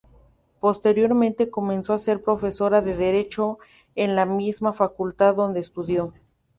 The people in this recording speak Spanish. Posteriormente comenzó a ser profesora de derecho en la misma facultad donde estudió.